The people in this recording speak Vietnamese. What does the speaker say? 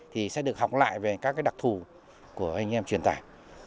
thì sẽ được học lại về các đặc thù của anh em truyền tải